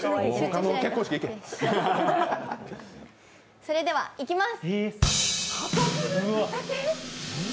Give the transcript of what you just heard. それではいきます！